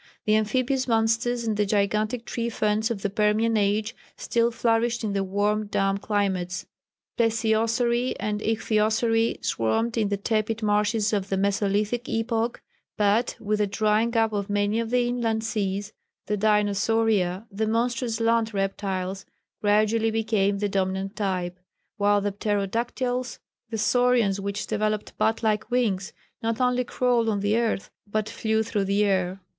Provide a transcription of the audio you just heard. The amphibious monsters and the gigantic tree ferns of the Permian age still flourished in the warm damp climates. Plesiosauri and Icthyosauri swarmed in the tepid marshes of the Mesolithic epoch, but, with the drying up of many of the inland seas, the Dinosauria the monstrous land reptiles gradually became the dominant type, while the Pterodactyls the Saurians which developed bat like wings not only crawled on the earth, but flew through the air.